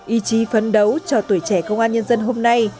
ý chí phấn đấu cho tuổi trẻ công an nhân dân hôm nay